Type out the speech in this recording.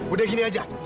udah gini aja